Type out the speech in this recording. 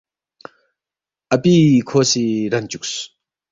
اپی کھو سی رن چُوکس